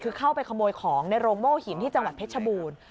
คือเข้าไปขโมยของในโรงโม่หินที่จังหวัดเพชรบูรณ์